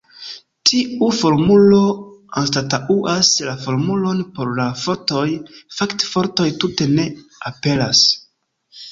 Tiu formulo anstataŭas la formulon por la fortoj; fakte fortoj tute ne aperas.